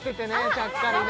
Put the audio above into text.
ちゃっかりね